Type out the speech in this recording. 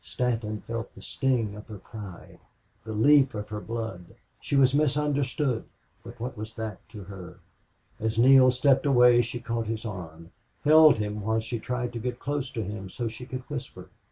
Stanton felt the sting of her pride, the leap of her blood. She was misunderstood, but what was that to her? As Neale stepped away she caught his arm held him while she tried to get close to him so she could whisper.